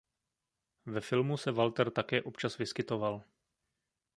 Ve filmu se Walter také občas vyskytoval.